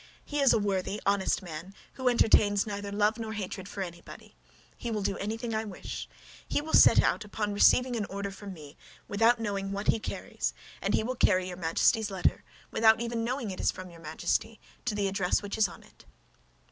He is a worthy, honest man who entertains neither love nor hatred for anybody. He will do anything I wish. He will set out upon receiving an order from me, without knowing what he carries, and he will carry your Majesty's letter, without even knowing it is from your Majesty, to the address which is on it."